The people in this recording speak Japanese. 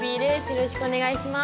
よろしくお願いします。